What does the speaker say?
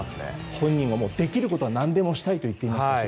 本人もできることは何でもしたいと言っていますから。